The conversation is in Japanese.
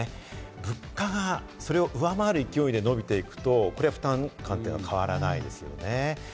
ただね、物価がそれを上回る勢いで伸びていくとこれは負担感は変わらないですよね。